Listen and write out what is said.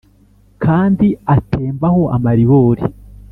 kandi atemba ho amaribori.